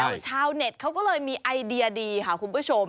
ชาวเน็ตเขาก็เลยมีไอเดียดีค่ะคุณผู้ชม